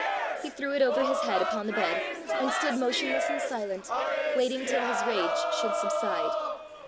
He threw it over his head upon the bed, and stood motionless and silent, waiting till his rage should subside.